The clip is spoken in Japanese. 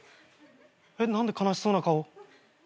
何で悲しそうな顔。